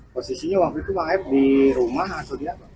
posisinya waktu itu di rumah atau di apa